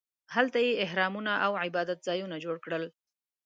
هلته یې اهرامونو او عبادت ځایونه جوړ کړل.